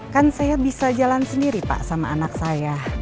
kan saya bisa jalan sendiri pak sama anak saya